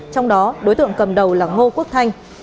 trong đó đối tượng cầm đầu là ngô quốc thanh